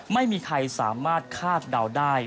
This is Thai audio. ไม่มีใครสามารถคาดเดาได้